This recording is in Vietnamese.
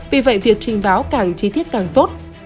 vì vậy việc trình báo càng chi tiết càng tốt